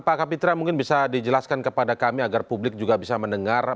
pak kapitra mungkin bisa dijelaskan kepada kami agar publik juga bisa mendengar